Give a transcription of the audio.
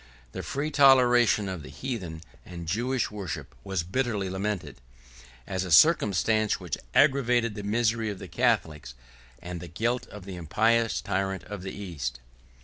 The free toleration of the heathen and Jewish worship was bitterly lamented, as a circumstance which aggravated the misery of the Catholics, and the guilt of the impious tyrant of the East.